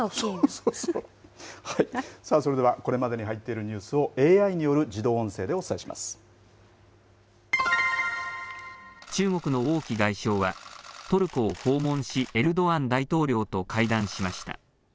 それではこれまでに入っているニュースをＡＩによる自動音声で中国の王毅外相はトルコを訪問しエルドアン大統領と会談しました。